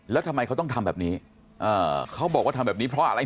แล้วทำไมเขาต้องทำแบบนี้เขาบอกว่าทำแบบนี้เพราะอะไร